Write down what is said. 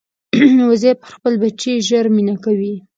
وزې پر خپل بچي ژر مینه کوي